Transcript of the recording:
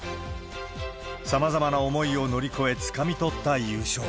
さまざまな思いを乗り越えつかみ取った優勝。